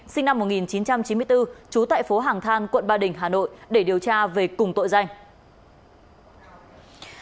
sinh năm một nghìn chín trăm chín mươi bốn trú tại phố hàng than quận ba đình hà nội để điều tra về cùng tội danh